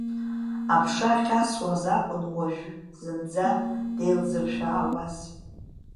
Аԥша ахьасуаз акәын уажә зынӡа деилзыршәаауаз.